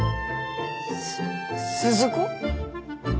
す鈴子？